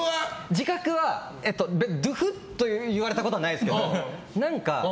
自覚はドゥフッと言われたことはないですけど。